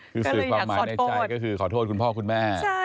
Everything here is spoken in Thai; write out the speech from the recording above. คือสื่อความหมายในใจก็คือขอโทษคุณพ่อคุณแม่